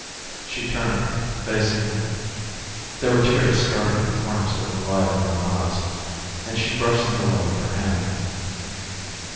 She turned, facing him. There were tears starting in the corners of her wide, brown eyes, and she brushed them away with her hand.